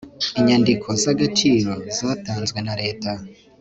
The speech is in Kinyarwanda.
inyandiko z agaciro zatanzwe na leta